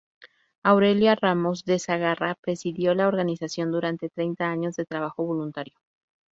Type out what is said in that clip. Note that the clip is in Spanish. Aurelia Ramos de Segarra presidió la organización durante treinta años de trabajo voluntario.